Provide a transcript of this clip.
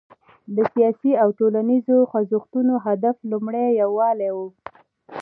د سیاسي او ټولنیزو خوځښتونو هدف لومړی یووالی و.